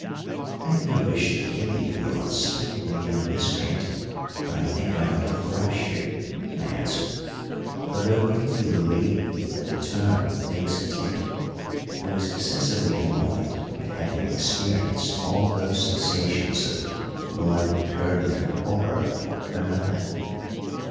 "I have no wish to kill you, you unspeakable young miscreant, but I think I ought to thrash you," I answered, for, though greatly relieved at the turn things had taken, I was excessively annoyed at having experienced all those sensations of blood curdling horror for nothing.